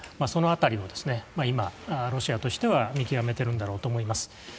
その辺りを今、ロシアとしては見極めているんだろうと思います。